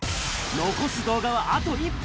残す動画はあと１本。